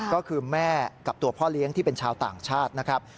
ก็คือแม่กับตัวพ่อเลี้ยงที่เป็นชาวต่างชาตินะครับ